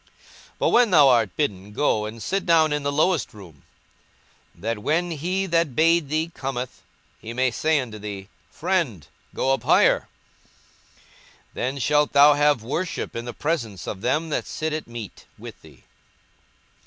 42:014:010 But when thou art bidden, go and sit down in the lowest room; that when he that bade thee cometh, he may say unto thee, Friend, go up higher: then shalt thou have worship in the presence of them that sit at meat with thee.